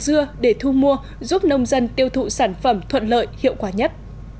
dưa để thu mua giúp nông dân tiêu thụ sản phẩm thuận lợi hiệu quả nhất